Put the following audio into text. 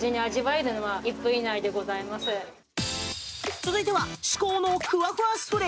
続いては至高のふわふわスフレ。